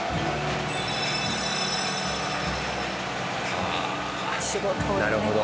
ああなるほど。